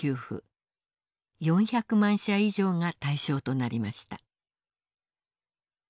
４００万社以上が対象となりました。